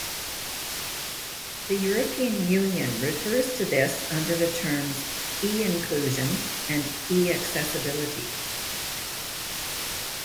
The European Union refers to this under the terms eInclusion and eAccessibility.